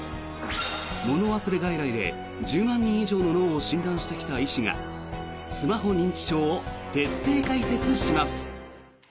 物忘れ外来で１０万人以上の脳を診断してきた医師がスマホ認知症を徹底解説します。